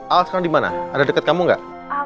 al sekarang dimana ada deket kamu gak